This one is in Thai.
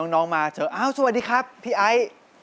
น้องมาเถอะอ้าวสวัสดีครับพี่ไอ